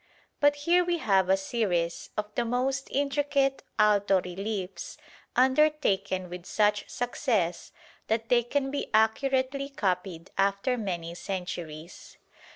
But here we have a series of the most intricate alto reliefs undertaken with such success that they can be accurately copied after many centuries.